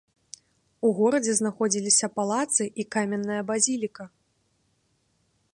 У горадзе знаходзіліся палацы і каменная базіліка.